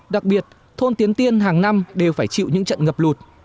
đặc biệt thôn tiến tiên hàng năm đều phải chịu những trận ngập lụt